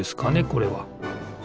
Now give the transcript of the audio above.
これは。